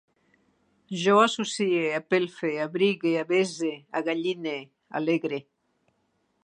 Jo associe, apelfe, abrigue, avese, agalline, alegre